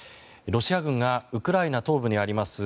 ロシア軍がウクライナ東部にあります